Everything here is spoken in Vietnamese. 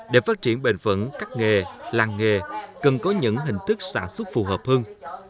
để phát triển bền vững các nghề làng nghề cần có những hình thức sản xuất phù hợp hơn